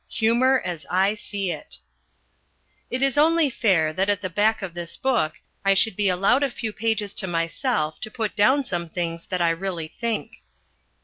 Humour as I See It It is only fair that at the back of this book I should be allowed a few pages to myself to put down some things that I really think.